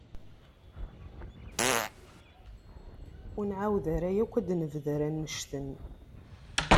Ur nεawed ara yakk ad d-nebder annect-en.